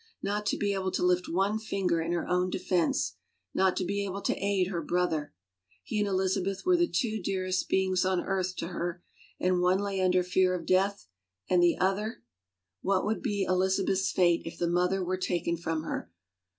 Not to be able to lift one finger in her own defense 1 Not to be able to aid her brother 1 He and Elizabeth were the two dearest beings on earth to her, and one lay under fear of death and the other — what would be Eliza beth's fate if the mother were taken from her?